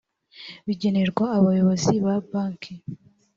bigenerwa abayobozi ba banki